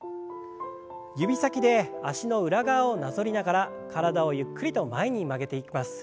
指先で脚の裏側をなぞりながら体をゆっくりと前に曲げていきます。